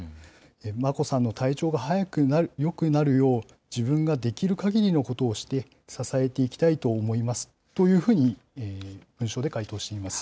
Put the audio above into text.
眞子さんの体調が早くよくなるよう、自分ができるかぎりのことをして、支えていきたいと思いますというふうに文書で回答しています。